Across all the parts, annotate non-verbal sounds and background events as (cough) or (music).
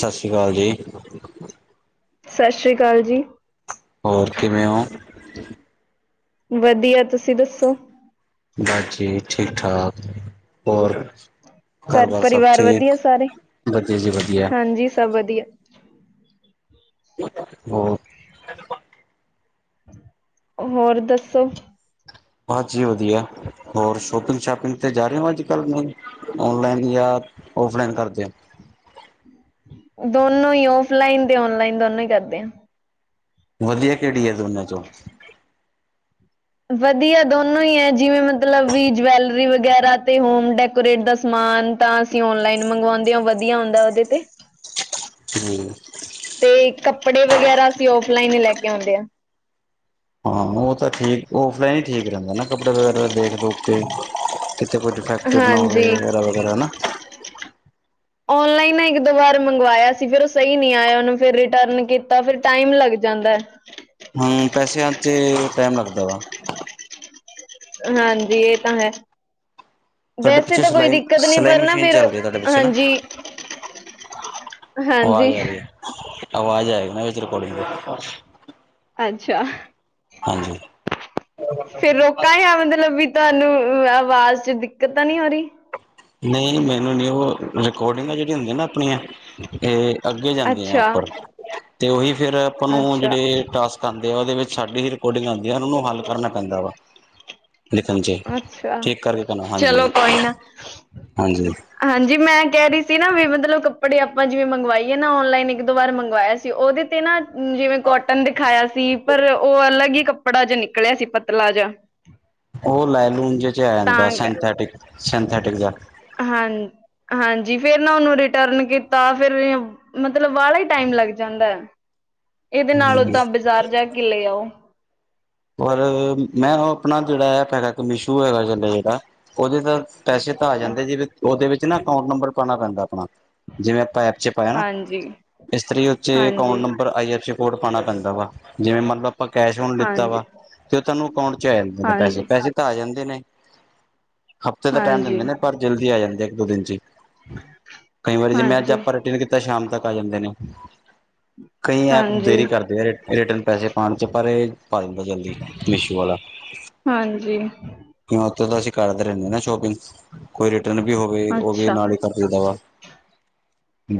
ਸ਼ਸ਼ੀ ਕਾਲ ਜੀ। ਸਸ਼ਰੀ ਕਾਲ ਜੀ। ਹੋਰ ਕਿਵੇਂ ਓ? ਵਧੀਆ ਤੁਸੀਂ ਦੱਸੋ? ਬਸ ਜੀ ਠੀਕ-ਠਾਕ, ਹੋਰ। ਘਰ ਬਾਰ ਸਭ ਪਰਿਵਾਰ ਵਧੀਆ ਠੀਕ। ਸਾਰੇ ਵਧੀਆ ਜੀ ਵਧੀਆ। ਹਾਂਜੀ ਸਭ ਵਧੀਆ। ਹੋਰ। ਹੋਰ ਦੱਸੋ। ਹਾਂਜੀ ਵਧੀਆ। ਹੋਰ ਸ਼ੋਪਿੰਗ ਸ਼ਾਪਿੰਗ ਤੇ ਜਾ ਰਹੇ ਹੋ ਅੱਜ ਕੱਲ ਨਹੀਂ? ਔਨਲਾਈਨ ਜਾਂ, ਔਫਲਾਈਨ ਕਰਦੇ ਓ? ਦੋਨੋਂ ਈ ਔਫਲਾਈਨ ਤੇ ਔਨਲਾਈਨ ਦੋਨੋ ਹੀ ਕਰਦੇ ਆ ਵਧੀਆ ਕਿਹੜੀ ਐ ਦੋਨਾਂ ਚੋਂ ਵਧੀਆ ਦੋਨੋ ਈ ਐ ਜਿਵੇਂ ਮਤਲਬ ਵੀ ਜਵੈਲਰੀ ਵਗੈਰਾ ਤੇ ਹੋਮ ਡੈਕੋਰੇਟ ਦਾ ਸਮਾਨ ਤਾਂ ਕੀ ਈ ਔਨਲਾਈਨ ਮੰਗਵਾਉਂਦੇ ਵਧੀਆ ਆ ਹੁੰਦਾ ਉਹਦੇ ਤੇ ਏ ਹੂੰ ਤੇ ਕੱਪੜੇ ਵਗੈਰਾ ਅਸੀਂ ਉਫ ਲਾਈਨ ਹੀ ਲੈ ਕੇ ਆਉਂਦੇ ਆ ਹਾਂ ਉਹ ਤਾਂ ਠੀਕ ਔਫਲਾਈਨ ਈ ਠੀਕ ਰਹਿੰਦਾ ਨਾ ਕੱਪੜੇ ਵਗੈਰਾ ਦੇਖ ਦੋਖ ਕੇ ਏ ਏਥੇ ਕੋਈ ਡਫੈਕਟਰੀਡ ਨਾ ਹੋਵੇ ਹਾਂਜੀ ਐਰਾ ਵਗੈਰਾ ਐ ਹਨਾ ਓਨਲਾਈਨ ਨਾ ਇੱਕ ਦੋ ਵਾਰ ਮੰਗਵਾਇਆ ਸੀ ਫਿਰ ਉਹ ਸਹੀ ਨਹੀਂ ਆਇਆ ਉਹਨੂੰ ਫਿਰ ਰਿਟਰਨ ਕੀਤਾ ਆ ਫਿਰ ਟਾਈਮ ਲੱਗ ਜਾਂਦਾ ਐ ਹਾਂ ਹੂ ਪੈਸਿਆਂ ਚ ਟਾਈਮ ਲੱਗਦਾ ਵਾ ਆ ਹਾਂਜੀ ਏਹ ਤਾਂ ਹੈ ਤੁਹਾਡੇ ਵੈਸੇ ਪਿੱਛੇ ਤਾਂ ਕੋਈ ਸਿਲਾਈ, ਦਿੱਕਤ ਨੀ ਸਿਲਾਈ ਪਰ ਨਾ ਮਸ਼ੀਨ ਫੇਿਰ ਚੱਲ ਉਹ ਰਹੀ ਹੈ ਤੁਹਾਡੇ ਪਿੱਛੇ ਨਾ, ਹਾਂਜੀ ਈ ਹਾਂਜੀ ਆਵਾਜ਼ ਆ ਈ ਰਹੀ ਹੈ। ਆਵਾਜ਼ ਆਏਗ ਨਾ ਰਿਕਾਡਿੰਗ ਦੇ ਏ ਅੱਛਾ ਆ ਹਾਂਜੀ ਈ ਕਾਏ ਐ ਮਤਲਬ ਵੀ ਤੁਹਾਨੂੰ ਆਵਾਜ਼ ਚ ਦਿੱਕਤ ਨਹੀਂ ਹੋ ਰਹੀ ਈ ਨਹੀਂ ਮੈਨੂੰ ਨੀ ਉਹ ਰਿਕੋਡਿੰਗ ਜਿਹੜੀਆਂ ਹੁੰਦੀ ਨਾ ਆਪਣੀਆਂ ਇਹ ਅੱਗੇ ਜਾਂਦੇ ਆ ਅੱਛਾ ਉੱਪਰ ਤੇ ਉਹੀ ਫਿਰ ਆਪਾਂ ਨੂੰ ਅੱਛਾ ਜਿਹੜੇ ਟਾਸ ਧਾਦੇ ਵਾਲੇ ਵਿੱਚ ਸਾਡੀ ਹੀ ਰਿਕੋਰਡਿੰਗ ਆਉਂਦੀ ਆ ਉਹਨੂੰ ਹੱਲ ਕਰਨਾ ਪੈਂਦਾ ਵਾ ਲਿਖਣ ਚ ਐ ਅੱਛਾ ਠੀਕ ਕਰਕੇ ਭੈਣਾ ਹਾਂਜੀ ਚਲੋ ਈ ਕੋਈ ਨਾ ਆ ਹਾਂਜੀ। ਈ ਹੋਰ ਹਾਂਜੀ ਈ ਮੈਂ ਕਹਿ ਰਹੀ ਸੀ ਨਾ ਵੀ ਮਤਲਬ ਕੱਪੜੇ ਆਪਾਂ ਜਿਵੇਂ ਮੰਗਵਾਈਏ ਔਨਲਾਈਨ ਇੱਕ ਵਾਰ ਮੰਗਵਾ ਏ ਤੇ ਉਹਦੇ ਤੇ ਨਾ ਆ ਜਿਵੇਂ ਕੋਟਨ ਦਿਖਾਇਆ ਸੀ ਪਰ ਉਹ ਅਲੱਗ ਹੀ ਕੱਪੜਾ ਜ ਨਿਕਲਿਆ ਸੀ ਪਤਲਾ ਜਿਹਾ ਆ ਉਹ ਲੇਲੂ ਜੇਏ ਚ ਆ ਜਾਂਦਾ ਤਾਂ ਸਨਥੈਟਿਕ ਸਨਥੈਟਿਕ ਜਿਹਾ ਹਾਂਨ ਹਾਂਜੀ ਫੇਰ ਨਾ ਉਹਨੂੰ ਰਿਟਰਨ ਕੀਤਾ ਆ ਫੇਿਰ ਏ ਮਤਲਬ ਵਾਲਾ ਈ ਟਾਈਮ ਲੱਗ ਜਾਂਦਾ ਆ ਇਹਦੇ ਨਾਲੋਂ ਤਾਂ ਬਾਜ਼ਾਰ ਜਾ ਕੇ ਲੈ ਆਓ ਪਰ ਆ ਮੈਂ ਨਾ ਆਪਣਾ ਜਿਹੜਾ ਐਪ ਹੈਗਾ ਇੱਕ ਮਿਸ਼ੂ ਹੈਗਾ ਚੱਲਿਆ ਜਿਹੜਾ ਉਹਦੇ ਤਾਂ ਪੈਸੇ ਤਾਂ ਆ ਜਾਂਦੇ ਜਿ ਉਹਦੇ ਚ ਨਾ ਅਕਾਊਂਟ ਨੰਬਰ ਪਾਉਣਾ ਪੈਂਦਾ ਆਪਣਾ ਆ ਜਿਵੇਂ ਆਪਾਂ ਐਪ ਚ ਪਾਇਆ ਨਾ ਹਾਂਜੀ ਇਸ ਤਰ੍ਹਾਂ ਉੇ ਅਕਾਊਂਟ ਹਾਂਜੀ ਹਾਂਜੀ number I F C code ਪਾਣਾ ਪੈਂਦਾ ਵਾ ਜਿਵੇਂ ਮਤਲਬ ਆਪਾਂ ਕੈਸ਼ ਹੁਣ ਲੀ ਕੀਤਾ ਹਾਂਜੀ ਵਾ ਤੇ ਉਹ ਤੁਹਾਨੂੰ ਅਕਾਊਂਟ ਚ ਆ ਜਾਂਦੇ ਨੇ ਪੈਸੇ ਹਾਂਜੀ ਪੈਸੇ ਤਾਂ ਆ ਜਾਂਦੇ ਨੇ ਹਫ਼ਤੇ ਦਾ ਟਾਈਮ ਦਿੰਦੇ ਹਾਂਜੀ ਨੇ ਪਰ ਜਲਦੀ ਆ ਜਾਂਦੇ ਇੱਕ ਦੋ ਦਿਨ ਚ ਈ ਕਈ ਵਾਰੀ ਜੇ ਮੈਂ ਅੱਜ ਆ ਪਰ ਕਿਮੇ ਕੀਤਾ ਐ ਸ਼ਾਮ ਤੱਕ ਆ ਜਾਂਦੇ ਨੇ ਕਈ ਐਪ ਹਾਂਜੀ ਦੇਰੀ ਕਰਦੇ ਆ ਰਿਟਰਨ ਪੈਸੇ ਏ ਪਾਣ ਚ ਪਰ ਏ ਪਾ ਦਿੱਦੇ ਜਲਦੀ ਈ ਮਿਸ਼ੂ ਆਲਾ ਆ ਹਾਂਜੀ ਨਾ ਉਤੇ ਦਾ ਸੀ ਕਰਦੇ ਰਹਿੰਦੇ ਨਾ ਸ਼ੋਪਿੰਗ ਕੋਈ ਰਿਟਰਨ ਵੀ ਹੋਵੇ ਉਹ ਵੀ ਅੱਛਾ ਨਾਲ ਹੀ ਕਰ ਦੀ ਦਾ ਵਾ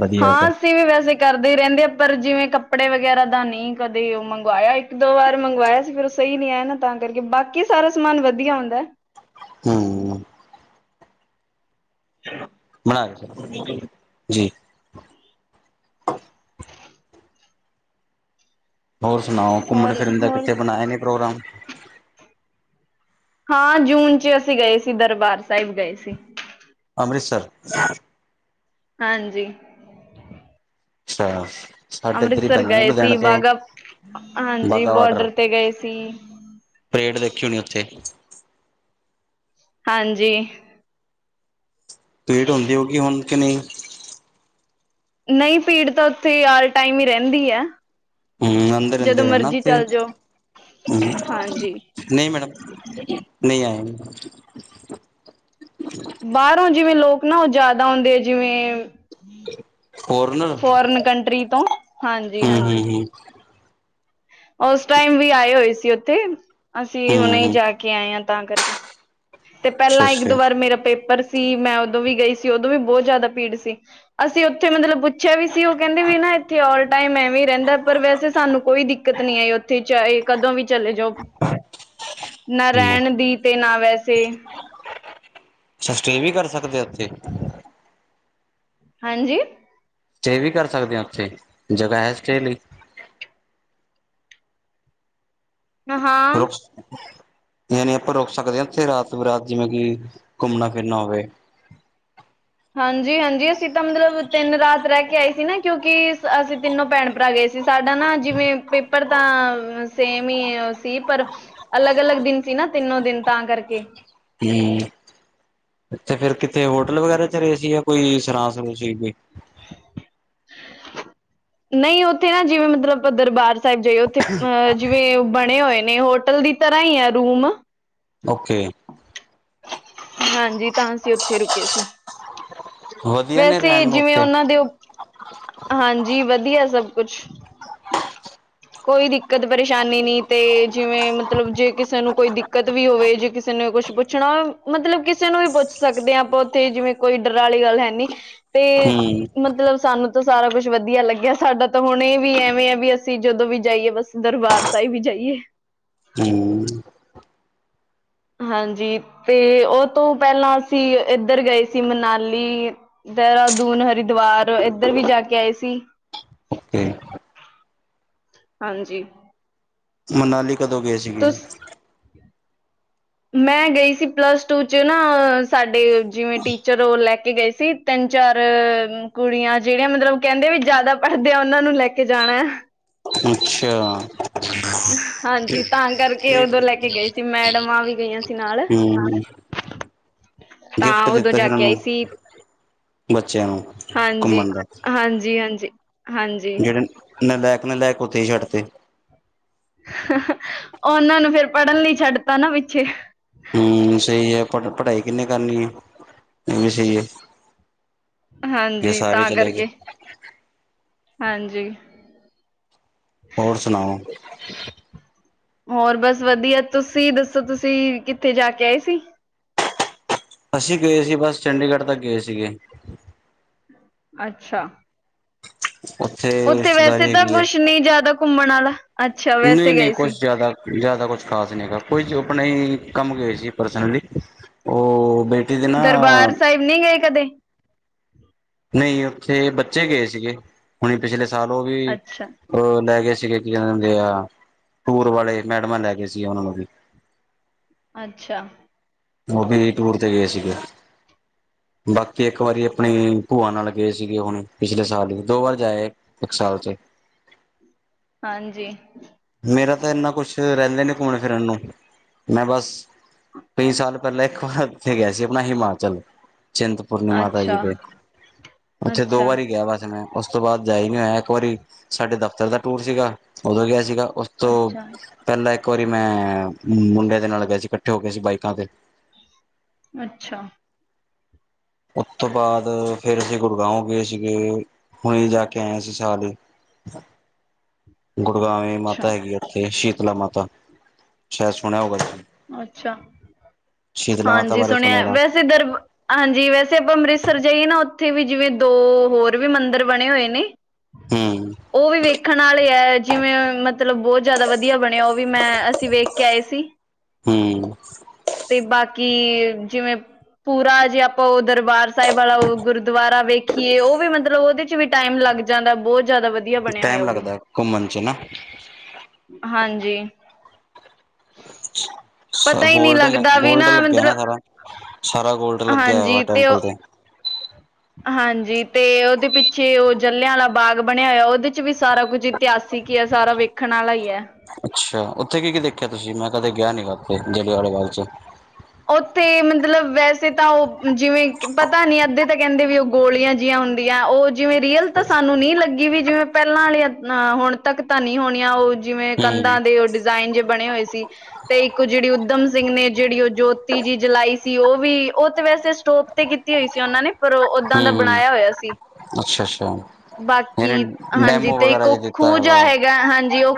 ਵਧੀਆ ਹਾਂ ਗੱਲ ਅਸੀਂ ਵੀ ਵੈਸੇ ਏ ਕਰਦੇ ਰਹਿੰਦੇ ਆ ਪਰ ਜਿਵੇਂ ਕੱਪੜੇ ਵਗੈਰਾ ਦਾ ਨਹੀਂ ਕਦੇ ਏ ਮੰਗਵਾਇਆ ਇੱਕ ਦੋ ਵਾਰ ਮੰਗਵਾਇਆ ਸੀ ਫਿਰ ਪਰ ਸ ਸਹੀ ਨਹੀ ਨੀ ਆਇਆ ਤਾਂ ਕਰਕੇ ਬਾਕੀ ਸਾਰਾ ਸਮਾਨ ਵਧੀਆ ਹੁੰਦਾ ਐ ਹੂੰ ਬਣਾ ਓ ਫਿਰ ਜੀ ਈ ਹੋਰ ਸੁਣਾਓ ਹੋਰ ਘੁੰਮਣ-ਫਿਰਨ ਦਾ ਕਿੱਥੇ ਹੋਰ ਬਣਾਇ ਨੇ ਪ੍ਰੋਗਰਾਮ? ਹਾਂ, ਜੂਨ ਚ ਅਸੀਂ ਗਏ ਸੀ ਦਰਬਾਰ ਸਾਹਿਬ ਗਏ ਸੀ। ਅੰਮ੍ਰਿਤਸਰ। ਹਾਂਜੀ। ਅਛਾੱ। ਅੰਮ੍ਰਿਤਸਰ ਗਏ ਸੀ ਬਾਗਾ ਹਾਂਜੀ ਬਾਘਾ ਵਾਟਰ ਬੋਡਰ ਤੇ ਗਏ ਸੀ। ਪਰੇਡ ਦੇਖੀ ਹੋਣੀ ਉੱਥੇ। ਹਾਂਜੀ। ਭੀੜ ਹੁੰਦੀ ਹੋਗੀ ਹੁਣ ਕੇ ਨੀ। ਨਹੀਂ ਭੀੜ ਤਾਂ ਉੱਥੇ ਆਲ ਟਾਈਮ ਹੀ ਰਹਿੰਦੀ ਆ। ਹੂੰ, ਆਉਂਦੇ ਰਹਿੰਦੇ ਆ ਨਾ ਉਥੇ। ਜਾਓ ਹਾਂਜੀ (unintelligible) ਨਹੀਂ ਮੈਡਮ, ਨਹੀਂ ਆਏ। ਬਾਹਰੋਂ ਜਿਵੇਂ ਲੋਕ ਨਾ ਉ ਜਿਆਦਾ ਆਉਂਦੇ ਆ ਜਿਵੇਂ ਫੋਰਨਰ ਫੋਰਨ ਕੰਟਰੀ ਤੋਂ ਹੂੰ ਹੂੰ ਹਾਂਜੀ-ਹਾਂਜੀ। ਹੂੰ ਉਸ ਟਾਈਮ ਵੀ ਆਏ ਹੋਏ ਸੀ ਉੱਥੇ ਅਸੀਂ ਹੂੰ ਹੁਣੇ ਹੀ ਹੂੰ ਜਾ ਕੇ ਆਏ ਹਾਂ ਤਾਂ ਕਰਕੇ। ਤੇ ਅੱਛਾ ਪਹਿਲਾਂ ਅੱਛਾ ਇੱਕ-ਦੋ ਵਾਰ ਮੇਰਾ ਪੇਪਰ ਸੀ ਮੈਂ ਉਦੋਂ ਵੀ ਗਈ ਸੀ ਉਦੋਂ ਵੀ ਬਹੁਤ ਜ਼ਿਆਦਾ ਭੀੜ ਸੀ ਅਸੀਂ ਉੱਥੇ ਮਤਲਬ ਪੁੱਛਿਆ ਵੀ ਸੀ ਉਹ ਕਹਿੰਦੇ ਵੀ ਨਾ ਇੱਥੇ ਆਲ ਟਾਈਮ ਐਵੇ ਵੀ ਰਹਿੰਦਾ ਪਰ ਵੈਸੇ ਸਾਨੂੰ ਕੋਈ ਦਿੱਕ ਦਿੱਕਤ ਨੀ ਆਈ ਉੱਥੇ ਚਾਹੇ ਕਦੋਂ ਵੀ ਚਲੇ ਜਾਓ। ਨਾ ਹੂੰ ਰਹਿਣ ਦੀ ਤੇ ਨਾ ਵੈਸੇ ਅਛਾੱ, ਸਟੇਅ ਵੀ ਕਰ ਸਕਦੇ ਆ ਉੱਥੇ। ਹਾਂਜੀ। ਸਟੇਅ ਵੀ ਕਰ ਸਕਦੇ ਹਾਂ ਉੱਥੇ, ਜਗਾਹ ਹੈ ਸਟੇਅ ਲਈ। ਹਾਂ। ਰੋਕ ਸ (inaudible) ਯਾਨੀ ਆਪਾਂ ਰੁਕ ਸਕਦੇ ਹਾਂ ਇਥੇ ਰਾਤ-ਬੇਰਾਤ ਜਿਵੇਂ ਕਿ ਘੁੰਮਣਾ ਫਿਰਨਾ ਹੋਵੇ। ਹਾਂਜੀ-ਹਾਂਜੀ, ਅਸੀਂ ਤਾਂ ਮਤਲਬ ਤਿੰਨ ਰਾਤ ਰਹਿ ਕੇ ਆਏ ਸੀ ਨਾ ਕਿਉਂਕਿ ਅਸੀਂ ਤਿੰਨੋ ਭੈਣ-ਭਰਾ ਗਏ ਸੀ। ਸਾਡਾ ਨਾ ਜਿਵੇਂ ਪੇਪਰ ਤਾਂ ਸੇਮ ਹੀ ਉ ਸੀ ਪਰ ਅਲੱਗ-ਅਲੱਗ ਦਿਨ ਸੀ ਨਾ ਤਿੰਨੋ ਦਿਨ ਤਾਂ ਕਰਕੇ ਹੂੰ, ਉਥੇ ਫਿਰ ਕਿਤੇ ਹੋਟਲ ਵਗੈਰਾ 'ਚ ਰਹੇ ਸੀ ਆ ਕੋਈ ਸਰਾਂ-ਸਰੂ ਸੀਗੀ। ਨਹੀਂ, ਉੱਥੇ ਨਾ ਜਿਵੇਂ ਮਤਲਬ ਆਪਾਂ ਦਰਬਾਰ ਸਾਹਿਬ ਜਾਈਏ ਉੱਥੇ ਅ ਜਿਵੇਂ ਬਣੇ ਹੋਏ ਨੇ ਹੋਟਲ ਵੀ ਤਰ੍ਹਾਂ ਹੀ ਹੈ ਰੂਮ। ਓ ਕੇ। ਹਾਂਜੀ, ਤਾਂ ਅਸੀਂ ਉੱਥੇ ਰੁਕੇ ਸੀ। ਵਧੀਆ ਨੇ ਵੈਸੇ ਰਹਿਣ ਨੂੰ ਜਿਵੇਂ ਉੱਥੇ ਉਨਨਾਂ ਦੇ, ਹਾਂਜੀ ਵਧੀਆ ਸਭ ਕੁਛ। (inaudible) ਕੋਈ ਦਿੱਕਤ ਪਰੇਸ਼ਾਨੀ ਨੀ ਤੇ ਜਿਵੇਂ ਮਤਲਬ ਜੇ ਕਿਸੇ ਨੂੰ ਕੋਈ ਦਿੱਕਤ ਵੀ ਹੋਵੇ ਜੇ ਕਿਸੇ ਨੂੰ ਕੁਛ ਪੁੱਛ ਪੁੱਛਣਾ ਮਤਲਬ ਕਿਸੇ ਨੂੰ ਵੀ ਪੁੱਛ ਸਕਦੇ ਹਾਂ ਆਪਾਂ ਉੱਥੇ ਜਿਵੇਂ ਕੋਈ ਡਰ ਵਾਲੀ ਗੱਲ ਹੈਨੀ ਤੇ ਹੂੰ ਮਤਲਬ ਸਾਨੂੰ ਤਾਂ ਸਾਰਾ ਕੁਛ ਵਧੀਆ ਲੱਗਿਆ, ਸਾਡਾ ਤਾਂ ਹੁਣੇ ਵੀ ਐਵੇਂ ਆ ਵੀ ਅਸੀਂ ਜਦੋਂ ਵੀ ਜਾਈਏ ਬਸ ਦਰਬਾਰ ਸਾਹਿਬ ਵੀ ਜਾਈਏ। ਹੂੰ ਹਾਂਜੀ ਤੇ ਉਹ ਤੋਂ ਪਹਿਲਾਂ ਅਸੀਂ ਇੱਧਰ ਗਏ ਸੀ ਮਨਾਲੀ ਦੇਹਰਾਦੂਨ, ਹਰਿਦੁਆਰ ਇੱਧਰ ਵੀ ਜਾ ਕੇ ਆਏ ਸੀ। ਏ ਹਾਂਜੀ। ਮਨਾਲੀ ਕਦੋਂ ਗਏ ਸੀਗੇ? ਤੁਸ ਮੈਂ ਗਈ ਸੀ ਪਲੱਸ ਟੂ ਚ ਨਾ ਸਾਡੇ ਜਿਵੇਂ ਟੀਚਰ ਓ ਲੈ ਕੇ ਗਏ ਸੀ ਤਿੰਨ-ਚਾਰ ਕੁੜੀਆਂ ਜੇੜੀਆਂ ਮਤਲਬ ਕੈਂਦੇ ਵੀ ਜਾਦਾ ਪੜ੍ਹਦੇ ਆ ਓਨਾਂ ਨੂੰ ਲੈ ਕੇ ਜਾਣਾ। ਅੱਛਾ (inaudible) (unintelligible) ਹਾਂਜੀ ਤਾਂ ਕਰਕੇ ਉਦੋਂ ਲੈ ਕੇ ਗਈ ਸੀ ਮੈਡਮਾਂ ਵੀ ਗਈਆਂ ਸੀ ਨਾਲ ਹੂੰ ਤਾਂ ਗਿਫਟ ਉਦੋਂ ਦਿੱਤਾ ਸੀ ਜਾ ਉਨਾਂ ਕੇ ਨੂੰ ਆਈ ਸੀ ਬੱਚਿਆਂ ਨੂੰ ਹਾਂਜੀ ਘੁੰਮਣ ਹਾਂਜੀ-ਹਾਂਜੀ ਜੇੜੇ ਨਲੈਕ-ਨਲੈਕ ਓਥੇ ਈ ਛੱਡਤੇ। ਓਨਾਂ ਨੂੰ ਫੇਰ ਪੜ੍ਹਨ ਲਈ ਛੱਡਤਾ ਨਾ ਪਿੱਛੇ ਹੂੰ ਸਈ ਐ ਪੜ ਪੜ੍ਹਾਈ ਕਿੰਨੇ ਕਰਨੀ ਆ ਏ ਵੀ ਸਈ ਐ। ਹਾਂਜੀ ਤਾਂ ਚਲੇ ਗਏ ਕਰਕੇ। ਹਾਂਜੀ। ਹੋਰ ਸੁਣਾਓ? ਹੋਰ ਬਸ ਵਧੀਆ ਤੁਸੀਂ ਦੱਸੋ ਤੁਸੀਂ ਕਿੱਥੇ ਜਾ ਕੇ ਆਏ ਸੀ? ਅਸੀਂ ਗਏ ਸੀ ਬਸ ਚੰਡੀਗੜ੍ਹ ਤੱਕ ਗਏ ਸੀਗੇ। ਅੱਛਾ। ਉੱਥੇ ਵੈਸੇ ਰਿਸ਼ਤੇਦਾਰੀ ਤਾਂ ਹੈਗੀ ਕੁੱਛ ਨੀ ਜਾਦਾ ਘੁੰਮਣ ਆਲਾ। ਨਈ-ਨਈ ਕੁੱਛ ਜਾਦਾ ਜਾਦਾ ਕੁੱਛ ਖ਼ਾਸ ਨੀ ਹੈਗਾ ਕੋਈ ਆਪਣੇ ਈ ਕੰਮ ਗਏ ਸੀ ਪਰਸਨਲੀ ਓ ਬੇ ਦਰਬਾਰ ਸਾਇਬ ਨੀ ਗਏ ਕਦੇ? ਨਈ ਉੱਥੇ ਬੱਚੇ ਗਏ ਸੀਗੇ ਹੁਣੀ ਪਿਛਲੇ ਸਾਲ ਓ ਵੀ ਅੱਛਾ ਓ ਲੈਗੇ ਸੀਗੇ ਕੀ ਕੈਂਦੇ ਹੁੰਦੇ ਆ ਟੂਰ ਵਾਲੇ ਮੈਡਮਾਂ ਲੈਗੇ ਸੀਗੇ ਓਨਾਂ ਨੂੰ ਵੀ। ਅੱਛਾ। ਓ ਵੀ (unintelligible) ਟੂਰ ਤੇ ਗਏ ਸੀਗੇ। ਬਾਕੀ ਇੱਕ ਵਾਰੀ ਆਪਣੀ ਭੂਆ ਨਾਲ ਗਏ ਸੀਗੇ ਹੁਣ ਪਿਛਲੇ ਸਾਲ ਦੋ ਵਾਰ ਜਾ ਆਏ। ਇੱਕ ਸਾਲ ਚ ਏ। ਹਾਂਜੀ। ਮੇਰਾ ਤਾਂ ਇੰਨਾ ਕੁੱਛ ਰੈਂਦੇ ਨੇ ਘੁੰਮਣ ਫਿਰਨ ਨੂੰ ਮੈਂ ਬਸ ਕਈ ਸਾਲ ਪੈਲਾਂ ਇੱਕ ਵਾਰ ਉੱਥੇ ਗਿਆ ਸੀ ਆਪਣਾ ਹਿਮਾਚਲ ਚਿੰਤ ਪੂਰਨੀ ਮਾਤਾ ਜੀ ਅੱਛਾ ਦੇ ਉੱਥੇ ਦੋ ਅੱਛਾ ਵਾਰੀ ਗਿਆ ਵਾਸੇ ਮੈਂ ਉਸ ਤੋਂ ਬਾਦ ਜਾਈ ਨੀ ਹੋਇਆ। ਇੱਕ ਵਾਰੀ ਸਾਡੇ ਦਫ਼ਤਰ ਦਾ ਟੂਰ ਸੀਗਾ ਓਦੋਂ ਗਿਆ ਸੀਗਾ ਉਸ ਤੋਂ ਅੱਛਾ ਪੈਲਾਂ ਇੱਕ ਵਾਰੀ ਮੈਂ ਮੁੰਡੇ ਦੇ ਨਾਲ ਗਏ ਸੀ ਇਕੱਠੇ ਹੋ ਕੇ ਅਸੀਂ ਬਾਈਕਾਂ ਤੇ। ਅੱਛਾ। ਊ ਤੋਂ ਬਾਦ ਫਿਰ ਅਸੀਂ ਗੜਗਾਓਂ ਗਏ ਸੀਗੇ ਹੁਣੇ ਜਾ ਕੇ ਆਏ ਐਸੀ ਸਾਲ ਈ। (inaudible) ਗੁੜਗਾਵੇਂ ਮਾਤਾ ਹੈਗੀ ਆ ਉੱਥੇ ਸ਼ੀਤਲਾ ਮਾਤਾ ਸ਼ਾਇਦ ਸੁਣਿਆ ਹੋਊਗਾ (unintelligible) ਅੱਛਾ ਸ਼ੀਤਲਾ ਮਾਤਾ ਹਾਂਜੀ ਬਾਰੇ ਸੁਣਿਆ ਹੋਣਾ ਵੈਸੇ ਦਰ ਹਾਂਜੀ ਵੈਸੇ ਆਪਾਂ ਅੰਮ੍ਰਿਤਸਰ ਜਾਈਏ ਨਾ ਉੱਥੇ ਵੀ ਜਿਵੇਂ ਦੋ ਹੋਰ ਵੀ ਮੰਦਿਰ ਬਣੇ ਹੋਏ ਨੇ ਹੂੰ। ਓ ਵੀ ਵੇਖਣ ਆਲੇ ਐ ਜਿਵੇਂ ਮਤਲਬ ਬੋਤ ਜਾ ਵਧੀਆ ਬਣਿਆ ਓ ਵੀ ਮੈਂ ਅਸੀਂ ਵੇਖ ਕੇ ਆਏ ਸੀ ਹੂੰ। ਤੇ ਬਾਕੀ ਜਿਵੇਂ ਪੂਰਾ ਜੇ ਆਪਾਂ ਓ ਦਰਬਾਰ ਸਾਇਬ ਆਲਾ ਓ ਗੁਰਦੁਆਰਾ ਵੇਖੀਏ ਓ ਵੀ ਮਤਲਬ ਓਦੇ ਚ ਵੀ ਟਾਈਮ ਲੱਗ ਜਾਂਦਾ ਬੋਤ ਜ਼ਿਆਦਾ ਵਧੀ ਦੀਆ ਬਣਿਆ ਹੋਇਆ ਟਾਈਮ ਓ ਵੀ ਲੱਗਦਾ ਘੁੰਮਣ ਚ ਨਾ ਹਾਂਜੀ। ਪਤਾ ਸਬ ਹੀ ਨਹੀਂ ਗੋਲਡਨ ਐ ਲੱਗਦਾ ਵੀ ਗੋਲਡ ਲੱਗਿਆ ਨਾ ਮਤਲਬ ਸਾਰਾ-ਸਾਰਾ ਗੋਲ ਲੱਗਿਆ ਹੋਇਆ ਵਾ ਹਾਂਜੀ ਟੈਂਪਲ ਉਹ ਤੇ। ਹਾਂਜੀ, ਤੇ ਓਦੇ ਪਿੱਛੇ ਓ ਜਲਿਆਂਆਲਾ ਬਾਗ ਬਣਿਆ ਹੋਇਆ ਓਦੇ ਚ ਵੀ ਸਾਰਾ ਕੁੱਝ ਇਤਿਹਾਸਿਕ ਈ ਐ, ਸਾਰਾ ਵੇਖਣ ਆਲਾ ਈ ਐ। ਅੱਛਾ! ਉੱਥੇ ਕੀ- ਕੀ ਦੇਖਿਆ ਤੁਸੀਂ, ਮੈਂ ਕਦੇ ਗਿਆ ਨੀ ਗਾ ਉੱਥੇ, ਜਲੀਆਂ ਵਾਲਾ ਬਾਗ ਚ? ਉੱਥੇ ਮਤਲਬ ਵੈਸੇ ਤਾਂ ਓ, ਜਿਵੇਂ ਕਿ ਪਤਾ ਨੀ ਅੱਧੇ ਤਾਂ ਕੈਂਦੇ ਵੀ ਓ ਗੋਲੀਆਂ ਜੀਆਂ ਹੁੰਦੀਆਂ, ਓ ਜਿਵੇਂ ਰੀਅਲ ਤਾਂ ਸਾਨੂੰ ਨੀ ਲੱਗੀ ਵੀ ਜਿਵੇਂ ਪੈਲਾਂ ਆਲੀਆਂ ਅ ਹੁਣ ਤੱਕ ਤਾਂ ਨੀ ਹੋਣੀਆਂ ਓ ਜਿਵੇਂ ਹੂੰ ਕੰਧਾਂ ਦੇ ਓ ਡਿਜ਼ਾਇਨ ਜੇ ਬਣੇ ਹੋਏ ਸੀ, ਤੇ ਇੱਕ ਓ ਜੇੜੀ ਊਧਮ ਸਿੰਘ ਨੇ ਜੇੜੀ ਓ ਜੋਤੀ ਜੀ ਜਲਾਈ ਸੀ ਓ ਵੀ, ਓ ਤੇ ਵੈਸੇ ਸਟੋਪ ਤੇ ਕੀਤੀ ਹੋਈ ਸੀ ਓਨਾਂ ਨੇ ਪਰ ਤਾਂ ਦਾ ਹੂੰ ਹੂੰ ਬਣਾਇਆ ਹੋਇਆ ਸੀ। ਅੱਛਾ ਅੱਛਾ ਬਾਕੀ, ਯਾਨੀ ਹਾਂਜੀ ਡੈਮੋ ਤੇ ਇੱਕ ਵਗੈਰਾ ਓ ਜੇ ਦਿੱਤਾ ਖੂਹ ਹੈ ਜਾ ਵਾ ਹੈਗਾ ਹਾਂਜੀ ਓ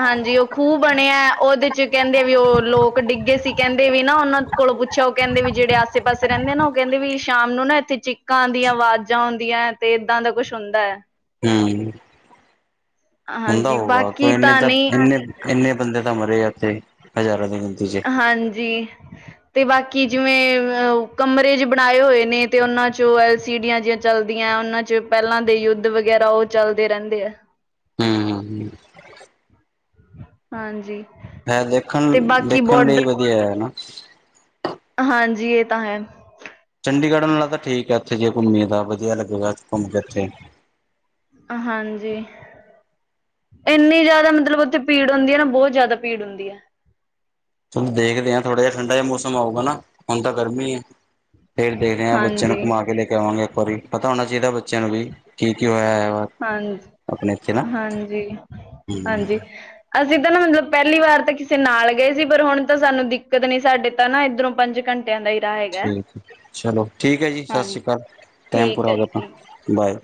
ਹਾਂਜੀ ਓ ਖੂਹ ਬਣਿਆ ਓਦੇ ਚ ਕੈਂਦੇ ਵੀ ਓ ਲੋਕ ਡਿੱਗੇ ਸੀ ਕੈਂਦੇ ਵੀ ਨਾ ਓਨਾਂ ਕੋਲੋਂ ਪੁੱਛਿਆ ਓ ਕੈਂਦੇ ਵੀ ਜੇੜੇ ਆਸੇ-ਪਾਸੇ ਰੈਨੇ ਆ ਨਾ ਓ ਕੈਂਦੇ ਵੀ ਸ਼ਾਮ ਨੂੰ ਨਾ ਐਥੇ ਚ ਚੀਕਾਂ ਆਂਦੀਆਂ, ਆਵਾਜ਼ਾਂ ਹੁੰਦੀਐ ਤੇ ਏਦਾਂ ਦਾ ਕੁੱਝ ਹੁੰਦਾ ਐ। ਹੂੰ। (inaudible) ਹੁੰਦਾ ਹਾਂਜੀ ਹੋਊਗਾ, ਕੋਂ ਬਾਕੀ ਇਨੇ ਤਾਂ, ਨਹੀਂ ਇਨੇ, ਇੰਨੇ ਬੰਦੇ ਤਾਂ ਮਰੇ ਆ ਉਥੇ ਹਜ਼ਾਰਾਂ ਦੇ। ਹਾਂਜੀ। ਤੇ ਬਾਕੀ ਜਿਵੇਂ ਅ ਕਮਰੇ ਜੇ ਬਣਾਏ ਹੋਏ ਨੇ ਤੇ ਉਨਾਂ ਚ ਓ ਐਲ ਸਿਡੀਆ ਜਿਹੀਆਂ ਚੱਲਦੀਆਂ ਉਨਾਂ ਚ ਪੈਲਾਂ ਦੇ ਯੁੱਧ ਵਗੈਰਾ ਓ ਚੱਲਦੇ ਰੈਂਦੇ ਐ। ਹੂੰ ਹਾਂਜੀ ਐ ਦੇਖਨ, ਤੇ ਬਾਕੀ ਦੇਖਨ ਲਈ ਬੋਡਰ ਵਧੀਆ ਹੈ ਨਾ? ਹਾਂਜੀ, ਏ ਤਾਂ ਹੈ। ਚੰਡੀਗੜ੍ਹ ਨਾਲੋ ਤਾਂ ਠੀਕ ਐ ਇੱਥੇ ਜੇ ਘੁੰਮੀਏ ਤਾਂ, ਵਧੀਆ ਲੱਗੇਗਾ ਘੁੰਮ ਕੇ ਐਥੇ। ਹਾਂਜੀ। ਇੰਨੀ ਜਾਦਾ ਮਤਲਬ ਉੱਥੇ ਭੀੜ ਹੁੰਦੀ ਐ ਨਾ ਬਹੁਤ ਜਾਦਾ ਭੀੜ ਹੁੰਦੀ ਐ। ਚਲੋਂ ਦੇਖਦੇ ਆ ਥੋੜਾ ਜਿਆ ਠੰਡਾ ਜਿਆ ਮੌਸਮ ਆਉਗਾ ਨਾ, ਹੁਨ ਤਾਂ ਗਰਮੀ ਏ। ਫੇਰ ਦੇਖਦੇ ਆ ਬੱਚਿਆਂ ਨੂੰ ਹਾਂਜੀ ਘੁੰਮਾ ਕੇ ਲੈ ਕੇ ਆਵਾਂਗੇ ਇੱਕ ਵਾਰੀ, ਪਤਾ ਹੋਣਾ ਚਾਈਦਾ ਬੱਚਿਆਂ ਨੂੰ ਵੀ ਕੀ-ਕੀ ਹੋਇਆ ਹੈ ਵਾ। ਹਾਂਜੀ, ਆਪਣੇ ਇੱਥੇ ਨਾ ਹਮ ਹਾਂਜੀ-ਹਾਂਜੀ। ਅਸੀਂ ਤਾਂ ਨਾ ਮਤਲਬ ਪੈਲੀ ਵਾਰ ਤਾਂ ਕਿਸੇ ਨਾਲ ਗਏ ਸੀ ਪਰ ਹੁਣ ਤਾਂ ਸਾਨੂੰ ਦਿੱਕਤ ਨੀ ਸਾਡੇ ਤਾਂ ਨਾ ਇੱਧਰੋਂ ਪੰਜ ਘੰਟੇ ਆਂ ਦਾ ਈ ਰਾਹ ਹੈਗ ਠੀਕ ਏ, ਚਲੋ ਠੀਕ ਏ ਜੀ ਸਸੀ ਕਾਲ। ਟੈਮ ਠੀਕ ਪੂਰਾ ਹੋ ਹੈ ਗਿਆ ਆਪਨਾ, ਠੀਕ ਬਾਏ।